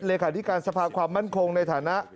เลยค่ะที่การสภาพความมั่นคงในฐานะ